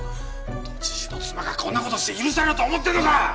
都知事の妻がこんな事して許されると思ってるのか！